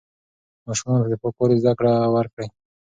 ماشومانو ته د پاکوالي زده کړه ورکړئ.